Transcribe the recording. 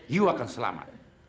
you akan selamat